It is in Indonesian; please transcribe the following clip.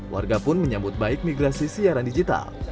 warga pun menyambut baik migrasi siaran digital